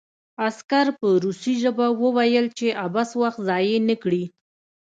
عسکر په روسي ژبه وویل چې عبث وخت ضایع نه کړي